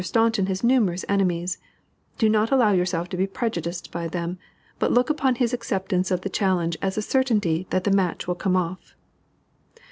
Staunton has numerous enemies; do not allow yourself to be prejudiced by them, but look upon his acceptance of the challenge as a certainty that the match will come off."